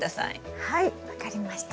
はい分かりました。